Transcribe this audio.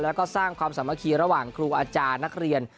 แล้วก็สร้างความสามัคคีระหว่างครูอาจารย์นักเรียน